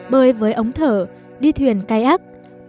bơi với ống thở đi thuyền cai ác